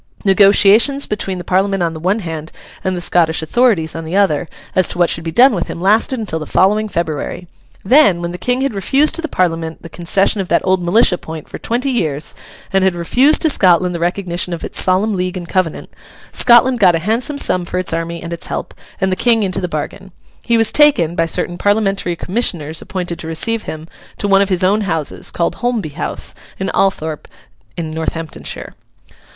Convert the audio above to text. Negotiations between the Parliament on the one hand and the Scottish authorities on the other, as to what should be done with him, lasted until the following February. Then, when the King had refused to the Parliament the concession of that old militia point for twenty years, and had refused to Scotland the recognition of its Solemn League and Covenant, Scotland got a handsome sum for its army and its help, and the King into the bargain. He was taken, by certain Parliamentary commissioners appointed to receive him, to one of his own houses, called Holmby House, near Althorpe, in Northamptonshire.